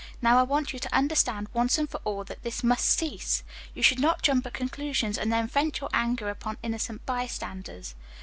Now I want you to understand once and for all that this must cease. You should not jump at conclusions and then vent your rage upon innocent bystanders.